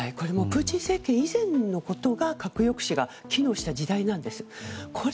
プーチン政権以前のことが核抑止が機能した時代なんです。